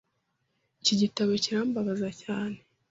Iki gitabo kirambabaza cyane.